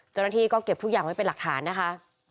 เจ้าหน้าที่ก็เก็บทุกอย่างไว้เป็นหลักฐานนะคะ